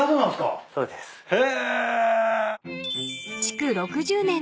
え？